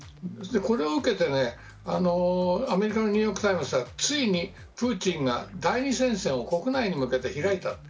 これを受けてアメリカのニューヨーク・タイムズはついにプーチンが代理戦線を国内に向けて開いた。